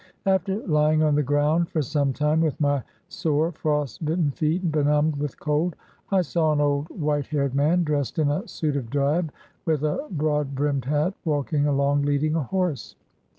After lying on the ground for some time, with my sore, frost bit ten feet benumbed with cold, I saw an old, white haired man, dressed in a suit of drab, with a broad brimmed hat, walking along, leading a horse.